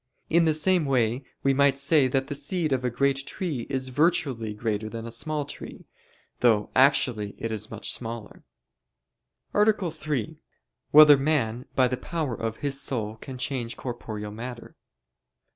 In the same way we might say that the seed of a great tree is virtually greater than a small tree, though actually it is much smaller. _______________________ THIRD ARTICLE [I, Q. 117, Art. 3] Whether Man by the Power of His Soul Can Change Corporeal Matter?